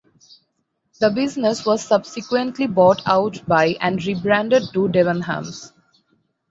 The business was subsequently bought out by and rebranded to Debenhams.